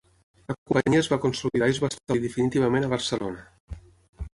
La companyia es va consolidar i es va establir definitivament a Barcelona.